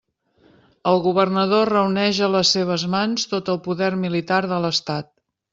El governador reuneix a les seves mans tot el poder militar de l'estat.